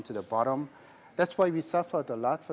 itulah sebabnya kami menderita banyak